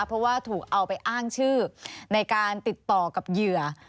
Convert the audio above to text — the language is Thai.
เพราะว่าถูกเอาไปอ้างชื่อในการติดต่อกับเหยื่อ